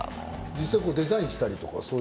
実際デザインしたりとかは？